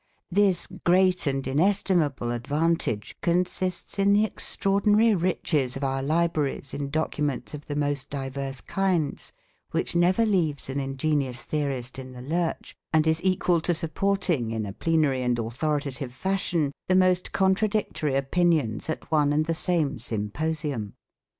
This great and inestimable advantage consists in the extraordinary riches of our libraries in documents of the most diverse kinds which never leaves an ingenious theorist in the lurch, and is equal to supporting in a plenary and authoritative fashion the most contradictory opinions at one and the same symposium.